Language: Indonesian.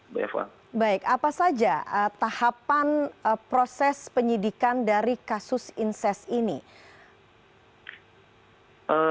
baik apa saja tahapan proses penyidikan dari kasus inses ini